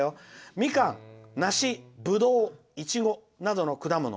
「みかん、なし、ぶどういちごなどの果物」。